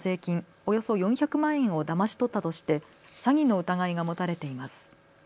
およそ４００万円をだまし取ったとして詐欺の疑いが持たれています。